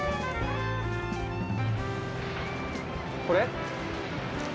これ？